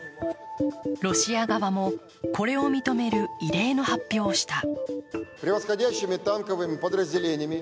ロシア側もこれを認める異例の発表をした。